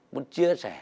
muốn chia sẻ